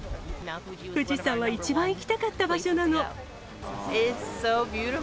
富士山は一番行きたかった場所なの。